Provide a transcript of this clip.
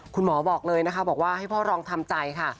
คุณหมอบอกเลยนะคะบอกว่าให้พ่อรองทำใจค่ะ